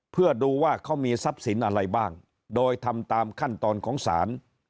เพื่อดูว่าเขามีทรัพย์สินอะไรบ้างโดยทำตามขั้นตอนของศาล